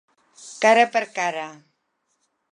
Cara per cara.